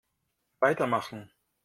Weitermachen!